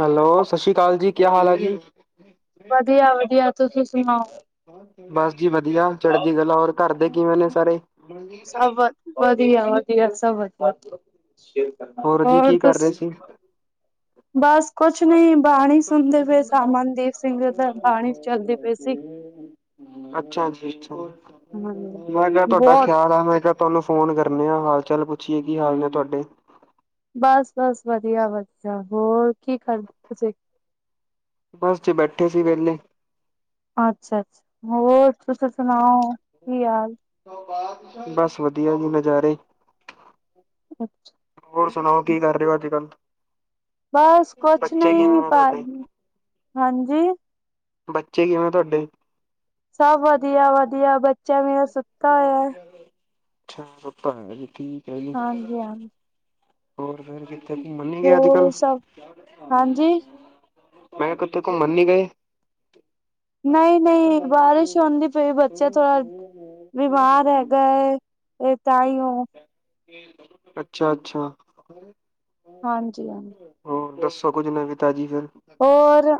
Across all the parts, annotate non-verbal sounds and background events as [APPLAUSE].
Hello ਸਾਸ਼੍ਰੀ ਕਾਲ ਜੀ ਕੇਆ ਹਾਲ ਐ ਜੀ। ਵਦੀਆ-ਵਦੀਆ ਤੁਸੀ ਸੁਣਾਓ। ਬਾਸ ਜੀ ਵਦੀਆ ਚੜਦੀ ਕਲਾ ਹੋਰ ਘਰ ਦੇ ਕਿਵੇਂ ਨੇ ਸਾਰੇ? ਸਭ ਵ ਵਦੀਆ-ਵਦੀਆ ਸਭ ਵਦੀਆ। ਹੋਰ ਜੀ ਕੀ ਕਰ ਰੇ ਸੀ? ਬਸ ਕੁਛ ਨੀ ਬਾਣੀ ਸੁਨਦੇ ਪੇ ਸਾਂ ਅਮਨਦੀਪ ਸਿੰਘ ਦੀ ਬਾਣੀ ਚੱਲਦੀ ਪਈ ਸੀ। ਅੱਛਾ ਜੀ, ਅੱਛਾ ਮੈਂ ਕੇਆ ਹਾਂਜੀ। ਤੁਆਡਾ ਬਹੁਤ ਖੇਆਲ ਆ ਮੈਂ ਕੇਆ। ਤੋਆਨੂੰ ਫੋਨ ਕਰਨੇ ਆ ਹਾਲ ਚਾਲ ਪੁੱਛੀਏ ਕੀ ਹਾਲ ਨੇ ਤੋਆਡੇ। ਬਾੱਸ-ਬਾੱਸ ਵਦੀਆ-ਵਦੀਆ ਹੋਰ ਕੀ ਕਰਦੇ ਤੁਸੀ। ਬਾੱਸ ਜੀ ਬੈਠੇ ਸੀ ਵੇਲੇ। ਅੱਛਾ-ਅੱਛ ਹੋਰ ਤੁਸੀਂ ਸੁਨਾਓ ਕੀ ਹਾਲ ਬਸ ਵਧੀਆ ਜੀ ਨਜ਼ਾਰੇ ਅੱਛਾ। ਹੋਰ ਸੁਣਾਓ ਕੀ ਕਰ ਰਹੇ ਓ ਅੱਜ-ਕੱਲ? ਬਸ ਕੁਛ ਨੀ ਨੇ ਤੁਹਾਡੇ ਭਾ-ਹਾਂਜੀ। ਬੱਚੇ ਕਿਵੇਂ ਤੁਹਾਡੇ? ਸਭ ਵਧੀਆ-ਵਧੀਆ ਬੱਚਾ ਵੀ ਓ ਸੁੱਤਿਆ ਹੋਇਆ। ਅੱਛਾ ਸੁਤਾ ਹੈਗਾ ਜੀ ਠੀਕ ਹੈ ਜੀ ਹਾਂਜੀ-ਹਾਂਜੀ। ਹੋਰ ਫੇਰ ਕਿਥੇ ਘੁਮਣ ਨੀ ਗੇ ਹੋਰ ਅੱਜ-ਕੱਲ? ਸਭ ਹਾਂਜੀ ਮੈਂ ਕਿੱਥੇ ਘੁੰਮਣ ਨੀ ਗੇ? ਨਈ-ਨਈ ਬਾਰਿਸ਼ ਹੁੰਦੀ ਪਈ ਬੱਚਾ ਥੋੜਾ, ਬਿਮਾਰ ਹੈਗਾ ਏ। ਇਹ ਤਾਂਹੀ ਉ ਅੱਛਾ-ਅੱਛਾ। ਹਾਂਜੀ-ਹਾਂਜੀ। ਹੋਰ ਦੱਸੋ ਕੁੱਝ ਨਵੀਂ ਤਾਜ਼ੀ ਫੇਰ? ਹੋਰ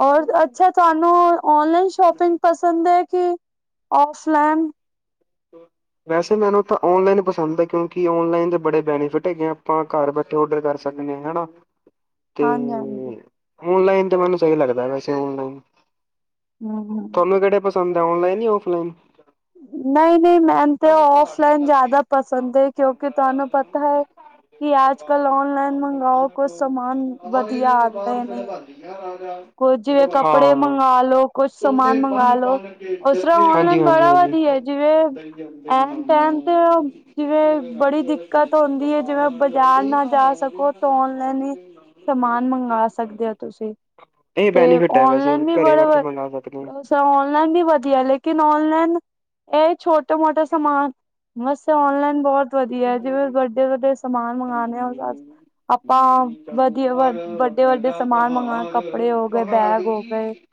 ਔਰ ਅੱਛਾ ਤੁਆਨੂੰ ਔਨਲਾਈਨ ਸ਼ੋਪਿੰਗ ਪਸੰਦ ਐ ਕੀ ਔਫਲਾਈਨ। ਵੈਸੇ ਮੈਨੂੰ ਤਾਂ ਔਨਲਾਈਨ ਪਸੰਦ ਐ, ਕਿਉਂਕਿ ਔਨਲਾਈਨ ਦੇ ਬੜੇ ਬੈਨੀਫਿਟ ਹੈਗੇ ਆ, ਆਪਾਂ ਘਰ ਬੈ ਤੋ ਔਡਰ ਕਰ ਸਕਦੇ ਹੈਨਾ। ਹਾਂਜੀ-ਹਾਂਜੀ। ਔਨਲਾਈਨ ਤੇ ਮੈਨੂੰ ਸਹੀ ਲੱਗਦਾ ਵੈਸੇ ਔਨਲਾਈਨ। ਹੂੰ-ਹੂੰ। ਤੁਹਾਨੂੰ ਕਿਹੜੇ ਪਸੰਦ ਐ ਔਨਲਾਈਨ ਯਾ ਔਫਲਾਈਨ। ਨਈ-ਨਈ ਮੈਨੂੰ ਤਾਂ ਔਫਲਾਈਨ ਜ਼ਿਆਦਾ ਪਸੰਦ ਐ, ਕਿਉਂਕਿ ਤੁਆਨੂੰ ਪਤਾ ਐ ਕਿ ਅੱਜ-ਕੱਲ ਔਨਲਾਈਨ ਮੰਗਓ ਕੁਛ ਸਮਾਨ ਵਧੀਆ ਆਦਾ ਨਈ। [INAUDIBLE] ਹਾਂ, ਮੰਗਾ ਲੋ, ਕੁਛ ਸਮਾਨ ਮੰਗਾ ਲੋ। ਉਸ ਤਰ੍ਹਾਂ ਔਨਲਾਈਨ ਹਾਂਜੀ-ਹਾਂਜੀ। ਬੜਾ ਹਾਂਜੀ। ਵਧੀਆ ਜਿਵੇਂ ਐਨ ਟੈਮ ਤੇ ਜਿਵੇਂ ਬੜੀ ਦਿੱਕਤ ਹੁੰਦੀ ਐ, ਜਿਵੇਂ ਬਾਜ਼ਾਰ ਨਾ ਜਾ ਸਕੋ ਤਾਂ ਔਨਲਾਈਨ ਈ ਸਮਾਨ ਮੰਗਵਾ ਸਕਦੇ ਓ। ਤੁਸੀਂ। ਇਹ ਤੇ ਬੈਨੀਫਿਟ ਹੈ ਵੈਸੇ ਔਨਲਾਈਨ ਵੀ ਘਰੇ ਬੜਾ ਬੈਠੇ ਵ, ਮੰਗਵਾ ਸਕਦੇ ਹਾਂ ਵੈਸੇ ਔਨਲਾਈਨ ਵੀ ਵਧੀਆ ਲੇਕਿਨ ਔਨਲਾਈਨ ਇਹ ਛੋਟੇ-ਮੋਟੇ ਸਮਾਨ ਵਾਸਤੇ ਔਨਲਾਈਨ ਬੋਤ ਵਧੀਆ ਜਿਵੇਂ ਵੱਡੇ-ਵੱਡੇ ਸਮਾਨ ਮੰਗਿਣੇ ਹੋਣ ਅੱਜ ਆਪਾਂ ਵਧੀਆ- ਵਧੀਆ, ਵੱਡੇ-ਵੱਡੇ ਸਮਾਨ ਮੰਗਾਂ ਕੱਪ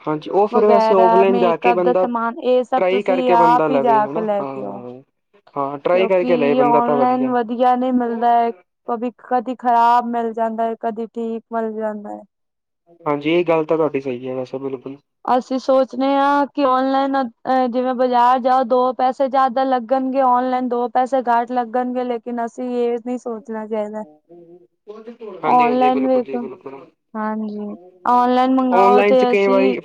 ਹਾਂਜੀ ਉਹ ਫੇਰ ਵੈਸੇ ਵਗੈਰਾ ਓਫ ਲਾਇਨ ਜਾ ਕੇ ਮੇਕਅਪ ਦਾ ਬੰਦਾ ਸਮਾਨ ਇਹ ਸਭ ਟ੍ਰਈ ਤੁਸੀਂ ਕਰਕੇ ਬੰਦਾ ਆਪ ਹੀ ਲਵੇ ਜਾ ਕੇ ਹਨਾ ਲੈ ਕੇ ਆਓ ਹਾਂ, ਹਾਂ ਟਰਾਈ ਕਰਕੇ ਲਏ ਕਿਉਂਕਿ ਬੰਦਾ ਔਨਲਾਈਨ ਵਧ ਵਧੀਆ ਨਈ ਨੀ ਮਿਲਦਾ ਏ, ਕਦੀ-ਕਦੀ ਖਰਾਬ ਮਿਲ ਜਾਂਦਾ ਹੈ ਕਦੀ ਠੀਕ ਮਿਲ ਜਾਂਦਾ ਏ। ਹਾਂਜੀ ਇਹ ਗੱਲ ਤਾਂ ਤੁਹਾਡੀ ਸਹੀ ਹੈ ਵੈਸਾ ਬਿਲਕੁਲ। ਅਸੀਂ ਸੋਚਣੇ ਆ ਕਿ ਔਨਲਾਈਨ ਜਿਵੇਂ ਬਾਜ਼ਾਰ ਜਾਓ ਦੋ ਪੈਸੇ ਜ਼ਿਆਦਾ ਲੱਗ ਲੱਗਣਗੇ ਔਨਲਾਈਨ ਦੋ ਪੈਸੇ ਘੱਟ ਲੱਗਣਗੇ ਲੇਕਿਨ ਅਸੀਂ ਇਹ ਨਈ ਸੋਚਣਾ ਚਾਹੀਦਾ। ਹਾਂਜੀ ਹਾਂਜੀ ਔਨਲਾਈਨ ਬਿਲਕੁਲ ਵੇਖ ਜੀ ਬਿਲਕੁਲ। ਹਾਂਜੀ ਔਨਲਾਈਨ ਮੰਗਾਓ ਤੇ ਅਸੀਂ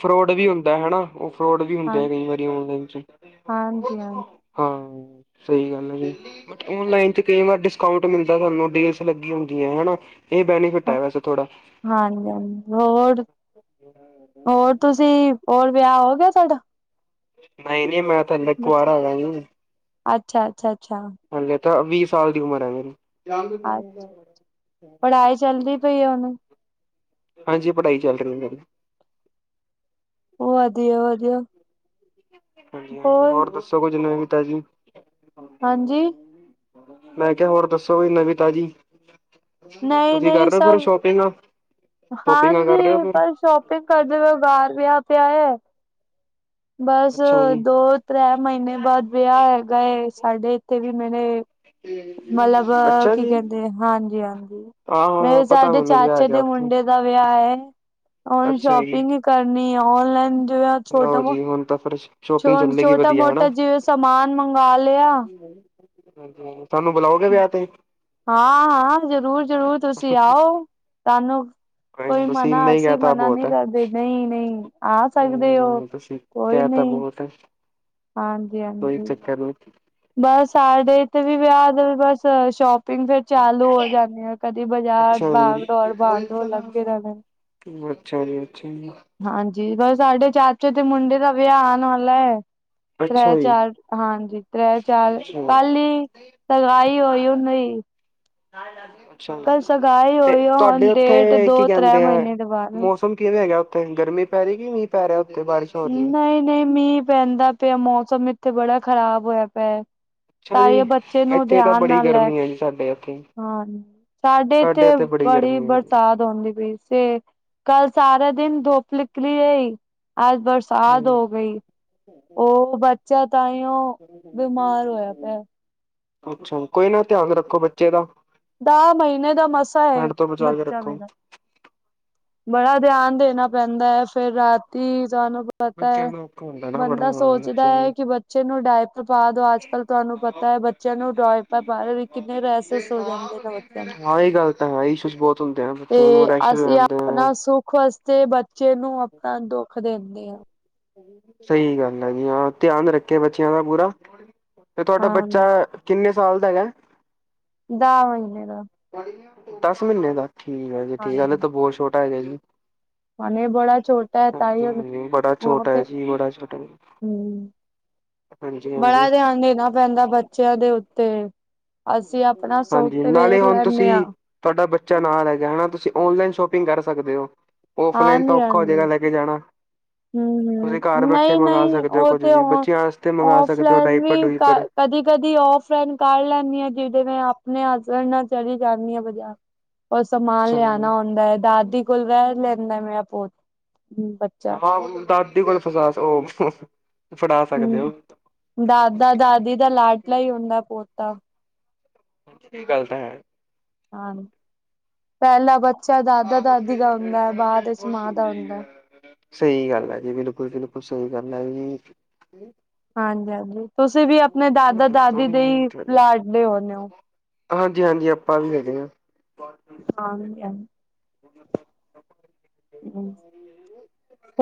ਡੈਮ ਹਨਾ ਉਹ ਫਰੋਡ ਵੀ ਹੁੰਦੇ ਕਈ ਵਾਰੀ ਔਨਲਾਈਨ ਵਿਚ ਈ। ਹਾਂਜੀ-ਹਾਂਜੀ। ਹਾਂ ਸਹੀ ਗੱਲ ਐ ਜੀ ਔਨਲਾਈਨ ਚ ਕਈ ਵਾਰ ਡਿਸਕਾਊਂਟ। ਮਿਲਦੈ ਸਾਨੂੰ ਡੀਲਸ ਲੱਗੀ ਹੁੰਦੀਐ ਹਨਾ ਇਹ ਬੈਨੀਫਿਟ ਐ ਵੈਸੇ ਥੋੜਾ ਹਾਂਜੀ ਹਾਂਜੀ ਹੋਰ ਹੋਰ ਤੁਸੀਂ ਹੋਰ ਵਿਆਹ ਹੋ ਗਿਆ ਤੁਹਾਡਾ ਨਹੀਂ ਨਹੀਂ ਮੈਂ ਤੇ ਹਲੇ ਬੱਚਾ ਕੁਵਾਰਾ ਵਾ। ਅੱਛਾ ਅੱਛਾ ਅੱਛਾ ਹਲੇੇ ਤਾਂ ਵੀਹ ਸਾਲ ਦੀ ਉਮਰ ਹੈ ਮੇਰੀ ਹਾਂ ਪੜ੍ਹਾਈ [UNINTELLIGIBLE] ਚੱਲਦੀ ਪਈ ਉਹਨੂੰ ਹਾਂਜੀ ਪੜ੍ਹਾਈ ਚੱਲ ਰੀ ਮੇਰੀ। ਵਧੀਆ ਵਧੀਆ ਹਾਂਜੀ ਹਾਂਜੀ ਹੋਰ ਦੱਸੋ ਕੁਝ ਨਵੀਂ ਤਾਜ਼ੀ ਹਾਂਜੀ ਮੈਂ ਕਿਹਾ ਹੋਰ ਦੱਸੋ ਵੀ ਨਵੀ ਤਾਜ਼ੀ ਨਹੀਂ ਤੁਸੀਂ ਨਹੀਂ ਕਰ ਰਹੇ ਓ ਫੇਰ ਸਭ ਸ਼ੋਪਿੰਗਾਂ ਸ਼ੋਪਿੰਗਾਂ ਕਰ ਹਾਂਜੀ ਰਹੇ ਓ ਫੇਰ ਬਸ ਸ਼ੋਪਿੰਗ ਕਰਦੇ ਬੇਓ ਬਾਹਰ ਵਿਆਹ ਪਿਆ ਐ। ਬਸ ਅੱਛਾ ਜੀ ਦੋ ਤ੍ਰੈ ਮਹੀਨੇ ਬਾਅਦ ਵਿਆਹ ਹੈਗਾ ਏ ਸਾਡੇ ਇੱਥੇ ਵੀ ਮੇਰੇ ਮਲਬ ਅੱਛਾ ਕੀ ਜੀ ਕਹਿੰਦੇ ਹਾਂਜੀ ਹਾਂਜੀ ਹਾਂ ਹਾਂ ਮੇਰੇ ਪਤਾ ਸਾਡੇ ਮੈਨੂੰ ਲਿਆ ਚਾਚੇ ਗਿਆ ਦੇ ਉੱਥੇ ਮੁੰਡੇ ਦਾ ਵਿਆਹ ਐ, ਹੁਣ ਅੱਛਾ ਸ਼ੋਪਿੰਗ ਈ ਕਰਨੀ ਏ ਔਨਲਾਈਨ ਜਿਵੇਂ ਲੋ ਜੀ ਹੁਣ ਤਾਂ ਫਿਰਸ਼ ਛੋਟਾ ਮੋਟਾ ਜਿਵੇਂ ਸਮਾਨ ਮੰਗਾ ਲਿਆ। ਸਾਨੂੰ ਬੁਲਾਓਗੇ ਵਿਆਹ ਤੇ ਹਾਂ ਹਾਂ ਜ਼ਰੂਰ ਜ਼ਰੂਰ ਤੁਸੀਂ ਆਓ ਤਾਨੂੰ ਨੀ ਕੋਈ ਤੁਸੀਂ ਮਨਾ ਇੰਨਾ ਹੀ ਕਹਿ ਅਸੀਂ ਤਾ ਮਨਾ ਬਹੁਤ ਨਹੀਂ ਹੈ ਕਰਦੇ ਨਈ ਨਈ ਆ ਸਕਦੇ ਓ। ਤੁਸੀਂ ਕਹਿ ਤਾ ਬਹੁਤ ਏ ਹਾਂਜੀ ਕੋਈ ਹਾਂਜੀ। ਚੱਕਰ ਨੀ। ਬਸ ਸਾਡੇ ਇੱਥੇ ਵੀ ਵਿਆਹ ਦੇ ਬਸ ਸ਼ੋਪ ਫੇਰ ਚਾਲੂ ਹੋ ਜਾਂਨੀ ਆ ਕਦੀ ਬਾਜ਼ਾਰ ਅੱਛਾ ਭਾਗ ਜੀ ਦੌੜ ਭਾਗ ਦੌੜ ਲੱਗੇ ਰਹਿਣੇ। ਅੱਛਾ ਜੀ ਅੱਛਾ ਜੀ ਹਾਂਜੀ ਬਸ ਸਾਡੇ ਚਾਚੇ ਤੇ ਮੁੰਡੇ ਦਾ ਵਿਆਹ ਆਣ ਵਾਲਾ ਐ ਤ੍ਰੈ ਅੱਛਾ ਜੀ ਚਾਰ ਹਾਂਜੀ ਤ੍ਰੈ ਚਾਰ ਅੱਛਾ ਕੱਲ ਹੀ ਸਗਾਈ ਹੋਈ ਉਨ ਹੀ। ਅੱਛਾ ਸਗਾਈ ਤੇ ਹੋਈ ਆ ਤੁਹਾਡੇ ਹੁਣ ਉੱਥੇ ਡੇਟ ਕੀ ਦੋ ਤ੍ਰੈ ਕਹਿੰਦੇ ਐਂ ਮਹੀਨੇ ਦੇ ਬਾਅਦ। ਮੌਸਮ ਕਿਵੇਂ ਹੈਗਾ ਉੱਥੇ ਗਰਮੀ ਪੈ ਰੀ ਕਿ ਮੀਂਹ ਪੈ ਰਿਹਾ ਉਥੇ ਬਾਰਿਸ਼ ਹੋ ਰੀ ਏ। ਨਹੀਂ ਨਹੀਂ ਮੀਂਹ ਪੈਂਦਾ ਪਿਆ ਮੌਸਮ ਇੱਥੇ ਬੜਾ ਖ਼ਰਾਬ ਹੋਇਆ ਪਿਐ। ਅੱਛਾ ਜੀ ਇੱਥੇ ਤਾਂ ਬੜੀ ਨਾਲ ਲੈ ਗਰਮੀ ਐ ਜੀ ਸਾਡੇ ਇੱਥੇ ਹਾਂ ਸਾਡੇ ਇੱਥੇ ਬੜੀ ਬਰਸਾਤ ਹੋਂਦੀ ਪਈ ਏ। ਕੱਲ ਸਾਰਾ ਦਿਨ ਧੁੱਪ ਨਿਕਲੀ ਰਈ ਅੱਜ ਬਰਸਾ ਸਾਤ ਹੋ ਗਈ ਉਹ ਬੱਚਾ ਤਾਂਹੀਓ ਬਿਮਾਰ ਹੋਇਆ ਪਿਆ। ਅੱਛਾ ਕੋਈ ਨਾ ਧਿਆਨ ਰੱਖੋ ਬੱਚੇ ਦਾ। ਦਹ ਮਹੀਨੇ ਦਾ ਮਸਾਂ ਹੈ ਠੰਡ ਤੋਂ ਬਚਾ ਕੇ ਬੱਚਾ ਰੱਖੋ ਮੇਰਾ ਬੜਾ ਧਿਆਨ ਦੇਣਾ ਪੈਂਦੈ ਫੇਰ ਰਾਤੀ ਸਾਨੂੰ ਪਤਾ ਐ ਬੱਚਿਆਂ ਦਾ ਔਖਾ ਹੁੰਦਾ ਨਾ ਬੜਾ ਬੰਦਾ ਸੋਚਦਾ ਬੱਚਿਆਂ ਐ ਨੂੰ ਕਿ ਬੱਚੇ ਨੂੰ ਡਾਇ ਪਾ ਦੋ ਅੱਜ ਕੱਲ ਤੁਹਾਨੂੰ ਪਤਾ ਐ ਬੱਚਿਆਂ ਨੂੰ ਟੋਇਪਰ ਪਾ ਰਹੇ ਵੀ ਕਿੰਨੇ ਰੈਸਸ ਹੋ ਜਾਂਦੇ। [UNINTELLIGIBLE] ਹਾਂ ਇਹ ਗੱਲ ਤਾਂ ਹੈ ਈ ਇਸ਼ੂਜ਼ ਬਹੁਤ ਹੁੰਦੇ ਐ ਬੱਚਿਆਂ ਨੂੰ ਤੇ ਰੈਸ਼ਸ ਹੋ ਅਸੀਂ ਜਾਂਦੇ ਆ ਆਪਣਾ ਸੁੱਖ ਵਾਸਤੇ ਬੱਚੇ ਨੂੰ ਆਪਣਾ ਦੁੱਖ ਦਿੰਦੇ ਆਂ। ਸਹੀ ਗੱਲ ਐ ਜੀ ਹਾਂ ਧਿਆਨ ਰੱਖੇ ਬੱਚਿਆਂ ਦਾ ਪੂਰਾ। ਤੇ ਤੁਆਡਾ ਬੱਚਾ ਹਾਂ ਐ ਕਿੰਨੇ ਸਾਲ ਦਾ ਹੈਗੈ? ਦਾ ਮ੍ਹੀਨੇ ਦਾ। ਦੱਸ ਮ੍ਹੀਨੇ ਦਾ ਠੀਕ ਆ ਜੀ ਹਾਂ ਠੀਕ ਆ ਹਾਲੇ ਤੇ ਬੋਤ ਛੋਟਾ ਹੈਗੈ ਜੀ। ਹਾਲੇ ਬੜਾ ਛੋਟਾ ਐ ਤਾਵੀ ਹਾਂਜੀ ਹਾਂਜੀ ਬੜਾ ਓਨੂੰ ਛੋਟਾ ਹੈ ਓਤੇ, ਜੀ ਬੜਾ ਛੋਟਾ ਹੂੰ। ਹਾਂਜੀ ਹਾਂਜੀ ਬੜਾ ਧੇਆਨ ਦੇਨਾ ਪੈਂਦਾ ਬੱਚੇਆਂ ਦੇ ਉੱਤੇ, ਅਸੀਂ ਆਪਣਾ ਸੋੱਖ ਤੇ ਵੇਖ ਲੈਂਨੇ ਆਂ। ਤੁਆਡਾ ਬੱਚਾ ਨਾਲ਼ ਹੈਗੈ ਹੈਣਾ ਤੁਸੀਂ ਔਨਲਾਈਨ ਸ਼ੋਪਿੰਗ ਕਰ ਸਕਦੇ ਓ, ਔਫਲਾਈਨ ਤਾਂ ਔਖਾ ਹੋ ਜੇਗਾ ਲ ਕੇ ਜਾਣਾ ਤੁਸੀਂ ਹੂੰ-ਹੂੰ, ਘਰ ਬੈਠੇ ਮੰਗਵਾ ਨਈ-ਨਈ ਸਕਦੇ ਹੋ ਓ ਕੁੱਝ ਤੇ ਵੀ ਓ ਬੱਚਿਆਂ ਵਾਸਤੇ ਮੰਗਵਾ ਸਕਦੇ ਹੋ ਔਫਲਾਈਨ ਡਾਈਪਰ ਵੀ ਕ ਡੂਈਪਰ ਕਦੀ-ਕਦੀ ਔਫਲਾਈਨ ਕਾਰ ਲੈਂਨੀ ਆਂ ਜਿਦੇ ਮੈਂ ਆਪਨੇ ਹਸਬੈਂਡ ਨਾਲ ਚਲੀ ਜਾਂਨੀ ਆਂ ਬਜਾਰ। [INAUDIBLE] ਓ ਸਮਾਨ ਅੱਛਾ ਜੀ, ਲੇਆਨਾ ਹੋਂਦਾ ਐ ਦਾਦੀ ਕੋਲ ਰੈ ਲੈਂਦੈ ਮੇਰਾ ਪੋਤ ਬੱਚਾ ਹਾਂ, ਦਾਦੀ ਕੋਲ ਫਸਾਤ ਓ [UNINTELLIGIBLE] ਹੂੰ, ਦਾਦਾ-ਦਾਦੀ ਦਾ ਲਾਟਲਾ ਈ ਹੋਂਦਾ ਪੋਤਾ। ਏ ਗੱਲ ਤਾ ਹੈ। ਹਾਂ, ਪੈਲਾਂ ਬੱਚਾ ਦਾਦਾ-ਦਾਦੀ ਦਾ ਹੁੰਦੈ ਬਾਦ 'ਚ ਮਾਂ ਦਾ ਹੁੰਦੈ। ਸਈ ਗੱਲ ਐ ਜੀ ਬਿਲਕੁਲ-ਬਿਲਕੁਲ ਸਈ ਗੱਲ ਐ ਜੀ। ਹਾਂਜੀ-ਹਾਂਜੀ, ਤੁਸੀਂ ਵੀ ਆਪਨੇ ਹੋਰ ਦੱਸੋ ਦਾਦਾ-ਦਾਦੀ ਦੇ ਈ ਲਾਡਲੇ ਹੋਨੇ ਓ। ਹਾਂਜੀ -ਹਾਂਜੀ, ਆਪਾਂ ਵੀ ਹੈਗੇ ਆਂ। [UNINTELLIGIBLE] ਹਾਂਜੀ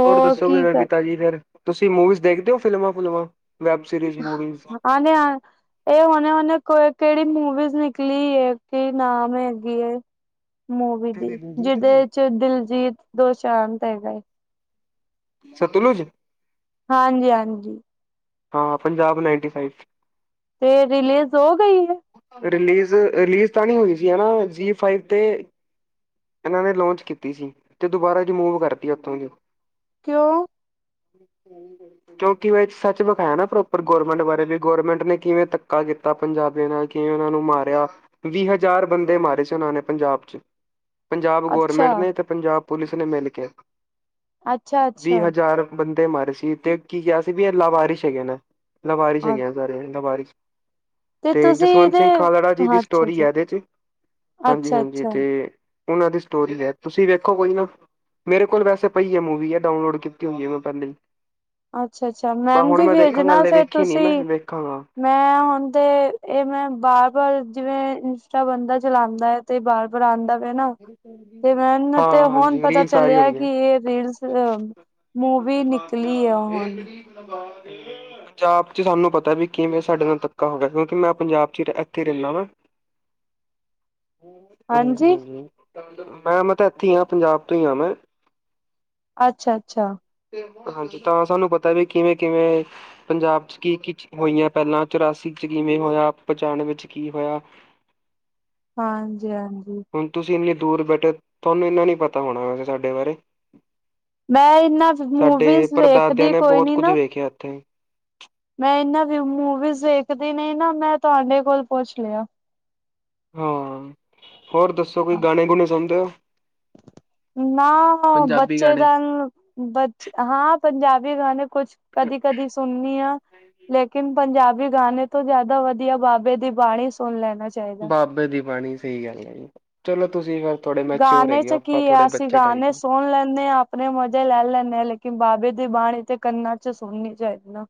ਹੋਰ ਦੱਸੋ ਕੀ ਕਿਵੇ ਕਰ ਕਿਤਾ ਜੀ ਫੇਰ? ਤੁਸੀਂ ਮੂਵੀਜ਼ ਦੇਖਦੇ ਓ ਫਿਲਮਾਂ-ਫੂਲਮਾਂ, ਵੈਬ ਸੀਰੀਸ ਮੂਵੀਜ਼? [UNINTELLIGIBLE] ਏ ਹੋਨੇ-ਹੋਨੇ ਕੋ ਕੜੀ ਮੂਵੀਜ਼ ਨਿਕਲੀ ਏ ਕਿ ਨਾਮ ਹੇਗੀ ਏ ਮੂਵੀ ਦੀ, ਦਲਜੀਤ ਜਿਦੇ ਦੀ 'ਚ ਦਿਲਜੀਤ ਦੋਸ਼ਾਂਤ ਹੈਗਾ ਏ। ਸਤਲੁਜ? ਹਾਂਜੀ-ਹਾਂਜੀ। ਹਾਂ, ਪੰਜਾਬ ਨਾਈਨਟੀ ਫਾਈਫ। ਏ ਰਿਲੀਜ਼ ਹੋ ਗਈ ਏ? ਫਾਈਵ ਰਿਲੀਜ਼, ਰਿਲੀਜ਼ ਤਾਂ ਨੀ ਹੋਈ ਸੀ ਓਨਾ ਜੀ਼ ਫਾਈਵ ਤੇ ਏਨਾਂ ਨੇ ਲੋਂਚ ਕੀਤੀ ਸੀ, ਤੇ ਦੁਬਾਰਾ ਰੀਮੂਵ ਕਰਤੀ ਓਥੋਂ [UNINTELLIGIBLE] ਕੋਓਂ? [INAUDIBLE] ਕੇਓਕਿ ਏ ਏਕ ਸੱਚ ਵਖਾਯਾ ਨਾ ਪ੍ਰੋਪਰ ਗੌਰਰਮੈਂਟ ਬਾਰੇ ਵੀ ਗੌਰਮੈਂਟ ਨੇ ਕਿਵੇਂ ਧੱਕਾ ਕੀ ਤਾ ਪੰਜਾਬੀਆਂ ਨਾਲ ਕਿਵੇ ਓਨਾਂ ਨੂੰ ਮਾਰੇਆ, ਵੀ ਹਜਾਰ ਬੰਦੇ ਮਾਰੇ ਸੀ ਓਨਾਂ ਨੇ ਪੰਜਾਬ 'ਚ। ਪੰਜਾਬ ਅੱਛਾ ਗੌਰਮੇਂਟ ਨੇ ਤੇ ਪੰਜਾਬ ਪੁਲਿਸ ਨੇ ਮਿਲ ਕੇ, ਅੱਛਾ ਵੀਹ ਅੱਛਾ ਹਜਾਰ ਬੰਦੇ ਮਾਰੇ ਸੀ ਤੇ ਕੀ ਕੇਆ ਸੀ ਵੀ ਐ ਲਾਵਾਰਿਸ ਹੈਗੇ ਨੇ, ਲਾਵਾਰਿਸ ਹਾਂ ਹੈਗੇ ਸਾਰੇ ਲਵਾਰਿਸ। ਤੇ ਤੁਸੀਂ ਜਸਵੰਤ ਇਹਦੇ ਸਿੰਘ ਖਾਲੜਾ ਜੀ ਦੀ ਅੱਛਾ ਸਟੋਰੀ ਅੱਛਾ ਹੈ ਐਦੇ 'ਚ ਅੱਛਾ ਅੱਛਾ ਹਾਂਜੀ-ਹਾਂਜੀ ਤੇ ਓਨਾਂ ਦੀ ਸਟੋਰੀਜ਼ ਹੈ, ਤੁਸੀਂ ਵੇਖੋ ਕੋਈ ਨਾ ਮੇਰੇ ਕੋਲ਼ ਵੈਸੇ ਪਈ ਐ ਮੂਵੀ ਐ ਡਾਊਨਲੋੜ ਕੀਤੀ ਹੋਈ ਐ ਮੈਂ ਪੈਲੇ ਈ। ਅੱਛਾ-ਅੱਛਾ, ਮੈਨ ਤੇ ਦੇਖਾਂਗਾ ਭੇਜਨਾ ਹਲੇ ਫੇਰ ਵੇਖੀ ਨੀ ਤੁਸੀ ਮੈਂ ਵੇਖਾਂਗਾ ਮੈਂ ਹੋਨ ਤੇ, ਏ ਮੈਂ ਬਾਰ-ਬਾਰ ਜਿਵੇਂ ਇੰਸਟਾ ਬੰਦਾ ਚਲਾਂਦੈ ਤੇ ਬਾਰ-ਬਾਰ ਆਂਦਾ ਪੇਆ ਨਾ ਤੇ ਮੈਨੂੰ ਹਾਂ ਤੇ ਹੋਨ ਹਾਂਜੀ ਪਤਾ ਰੀਲ ਸਾਰੀ ਚੱਲੇਆ ਹੋਣੀ ਕਿ ਹੈ। ਏ ਰੀਲਸ ਅ ਮੂਵੀ ਨਿਕਲੀ ਐ ਏ ਗਰੀਬਨਵਾਜ ਦੀ ਪੰਜਾਬ 'ਚ ਸਾਨੂੰ ਪਤੈ ਬੀ ਕਿਵੇਂ ਸਾਡੇ ਨਾਲ ਧੱਕਾ ਹੋ ਗਿਆ ਕਿਉਂਕਿ ਮੈਂ ਆਪ ਪੰਜਾਬ 'ਚ ਤੇ ਐਥੇ ਰੈਨਾਂ ਵਾਂ। ਹਾਂਜੀ। ਹਾਂਜੀ-ਹਾਂਜੀ ਮੈਂ ਮੈਂ ਤਾਂ ਐਥੇ ਈ ਆਂ, ਪੰਜਾਬ ਤੋਂ ਈ ਆ ਮੈਂ ਅੱਛਾ-ਅੱਛਾ। ਹਾਂਜੀ, ਤਾਂ ਸਾਨੂੰ ਪਤਾ ਨੀ ਕਿਵੇਂ-ਕਿਵੇਂ ਪੰਜਾਬ 'ਚ ਕੀ-ਕੀ ਚੀ ਹੋਈਆਂ ਪੈਲਾਂ, ਚੁਰਾਸੀ 'ਚ ਕਿਵੇਂ ਹੋਇਆ, ਪਚਾਨਵੇਂ 'ਚ ਕੀ ਹੋਇਆ ਹਾਂਜੀ-ਹਾਂਜੀ। ਤੁਸੀ ਏਨੀਂ ਦੂਰ ਬੈਠੇ, ਤੁਆਨੂੰ ਇੰਨਾ ਨੀ ਪਤਾ ਹੋਣਾ ਵੈਸੇ ਸਾਡੇ ਬਾਰੇ। ਮੈਂ ਇਹਨਾਂ ਸਾਡੇ ਮੂਵੀਜ਼ ਪਰਦਾਦਿਆਂ ਵੇਖਦੀ ਨੇ ਕੋਈ ਬੋਤ ਨੀ ਕੁੱਝ ਨਾ ਵੇਖਿਐ ਏੱਥੇ। ਮੈਂ ਏਨਾਂ ਵੀ ਮੂਵੀਸ ਦੇਖਦੀ ਨੀ ਨਾ ਮੈਂ ਤੁਆਡੇ ਕੋਲ ਪੂਛ ਲਿਆ। ਹਾਂ, ਹੋਰ ਦੱਸੋ ਕੋਈ ਗਾਣੇ- ਗੂਣੇ ਸੁਨਦੇ ਓ? ਨਾ, ਬੱਚੇ ਗਾਣੇ ਦਾ ਹਾਂ ਪੰਜਾਬੀ ਗਾਨੇ ਕੁਛ ਕਦੀ-ਕਦੀ ਸੁਨਨੀ ਆ ਲੇਕਿਨ ਪੰਜਾਬੀ ਗਾਨੇ ਤੋਂ ਜਿਆਦਾ ਵਧੀਆ ਬਾਬੇ ਦੀ ਬਾਣੀ ਸੁਨ ਲੈਨਾ ਬਾਬੇ ਦੀ ਬਾਣੀ, ਸਈ ਗੱਲ ਐ ਜੀ। ਚਲੋ ਤੁਸੀ ਗਾਨੇ 'ਚ ਕੀ ਐ ਅਸੀ ਗਾਨੇ ਆ ਸੁਣ ਲੈਂਨੇ ਆ ਆਪਨੇ ਮਜ਼ੇ ਲੈਲ ਲੈਂਨੇ ਆ। ਲੇਕਿਨ ਬਾਬੇ ਦੀ ਬਾਣੀ ਤੇ ਕੰਨਾਂ 'ਚ ਸੁਣਨੀ ਚਾਈਦੀ ਨਾ।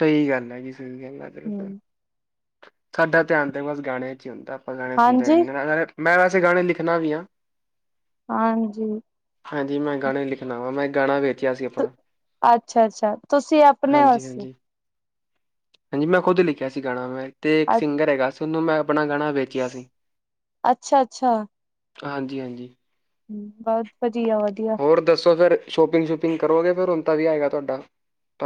ਸਈ ਗੱਲ ਐ ਜੀ, ਸਈ ਗੱਲ ਐ। ਚਲੋ ਫੇਰ। ਹੂੰ। ਸਾਡਾ ਧਿਆਨ ਤੇ ਬਸ ਗਾਣਿਆਂ 'ਚ ਈ ਹੁੰਦਾ। ਆਪਾਂ ਗਾਣੇ ਸੁਨਦੇ ਹਾਂਜੀ [UNINTELLIGIBLE] ਨਾਲੇ ਮੈਂ ਵੈਸੇ ਗਾਣੇ ਲਿਖਨਾ ਵੀ ਆਂ। ਹਾਂਜੀ। ਹਾਂਜੀ ਮੈਂ ਗਾਣੇ ਲਿਖਨਾ ਵਾਂ। ਮੈਂ ਗਾਣਾ ਵੇਚਿਆ ਸੀ ਆਪਣਾ। ਅੱਛਾ-ਅੱਛਾ ਤੁਸੀ ਆਪਨੇ ਹਾਂਜੀ ਆਸੇ। ਹਾਂਜੀ ਹਾਂਜੀ ਮੈਂ ਖੁੱਦ ਲਿਖਿਆ ਸੀ ਗਾਣਾ ਮੈਂ ਤੇ ਇੱਕ ਸਿੰਗਰ ਹੈਗਾ ਸੀ, ਉਨੂੰ ਮੈਂ ਆਪਣਾ ਗਾਣਾ ਵੇਚਿਆ ਸੀ। ਅੱਛਾ ਅੱਛਾ ਹਾਂਜੀ-ਹਾਂਜੀ। ਬਜ ਬਜੀਆ, ਵਧੀਆ। ਹੋਰ ਦੱਸੋ ਫੇਰ ਸ਼ੋਪਿੰਗ-ਸ਼ੂਪਿੰਗ ਕਰੋਗੇ ਫੇਰ ਹੁਨ ਤਾਂ ਵਿਆ ਹੈਗਾ ਤੁਆਡਾ।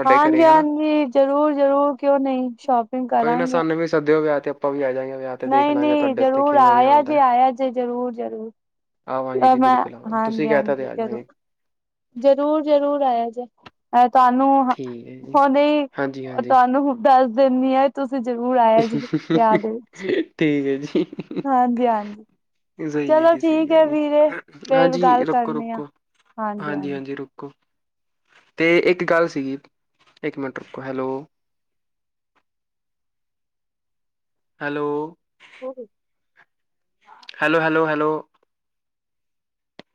ਹਾਂਜੀ-ਹਾਂਜੀ, ਜ਼ਰੂਰ-ਜਰੂਰ ਕਿਓਂ ਨਈ ਸ਼ੋਪਿੰਗ ਕੋਈ ਨਾ ਕਰਾਂਗੇ। ਸਾਨੂੰ ਵੀ ਸਦਿਓ ਵਿਆ ਤੇ ਆਪ ਆਪਾਂ ਵੀ ਆ ਜਾਂਗੇ ਨਾ। ਨਈ ਨੀ ਜਰੂਰ ਆਇਆ ਜੇ, ਆਇਆ ਜੇ ਜਰੂਰ, ਜਰੂਰ ਆਵਾਂਗੇ ਜੀ, ਬਿਲਕੁਲ ਆਵਾਂਗੇ। ਤੁਸੀ ਕੈ ਤਾ ਤੇ ਆ ਜਾਗੇ। ਜਰੂਰ-ਜਰੂਰ ਆਇਆ ਜੇ ਔਰ ਤੁਆਨੂੰ ਹੁ ਠੀਕ ਹੈ ਜੀ ਹੋਨੇ ਈ ਹਾਂਜੀ ਹਾਂਜੀ ਤੁਆਨੂੰ ਹੁ ਦਸ ਦੇਨੀ ਆ ਤੁਸੀ ਜਰੂਰ ਆਇਆ ਜੇ, ਵਿਆ ਦੇ ਵਿੱਚ, ਠੀਕ ਹੈ ਜੀ ਹਾਂਜੀ-ਹਾਂਜੀ। ਸਹੀ ਹੈ ਚਲੋ ਜੀ ਸਹੀ ਠੀਕ ਹੈ ਏ ਜੀ ਵੀਰੇ, ਫੇਰ ਗੱਲ ਕਰਨੇ ਆ। ਹਾਂਜੀ-ਹਾਂਜੀ, ਰੁੱਕੋ। ਤੇ ਏੱਕ ਗੱਲ ਸੀਗੀ। ਏੱਕ ਮਿੰਟ ਰੁਕੋ, ਹੈਲੋ। ਹੈਲੋ। ਹੋ ਗਈ। Hello, hello, hello.